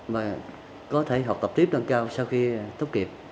mà có thể học tập tiếp nâng cao sau khi tốt nghiệp